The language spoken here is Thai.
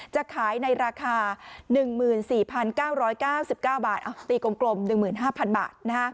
จะขายในราคา๑๔๙๙๙บาทตีกลม๑๕๐๐๐บาท